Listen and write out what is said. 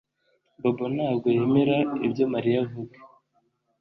Bobo ntabwo yemera ibyo Mariya avuga